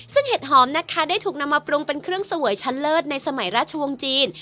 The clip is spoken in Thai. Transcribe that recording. ซึ่งเห็ดหอมนะคะได้ถูกนำมาปรุงเป็นเครื่องเสวยชั้นเลิศในสมัยราชวงศ์จีน